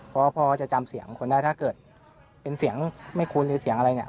เพราะพ่อจะจำเสียงคนได้ถ้าเกิดเป็นเสียงไม่คุ้นหรือเสียงอะไรเนี่ย